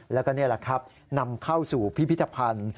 แล้วก็นี่แหละครับนำเข้าสู่พิพิธภัณฑ์